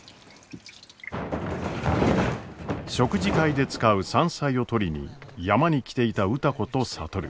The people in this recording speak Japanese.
食事会で使う山菜を採りに山に来ていた歌子と智。